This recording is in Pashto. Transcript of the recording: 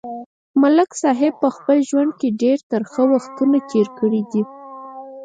ملک صاحب په خپل ژوند کې ډېر ترخه وختونه تېر کړي دي.